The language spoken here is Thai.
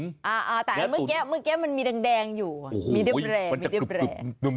แต่เมื่อกี้มันมีดังแดงอยู่มีเนื้อแร่มีเนื้อแร่